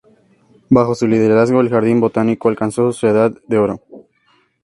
Bajo su liderazgo el jardín botánico alcanzó su edad de oro.